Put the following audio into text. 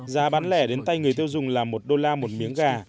giá bán lẻ đến tay người tiêu dùng là một đô la một miếng gà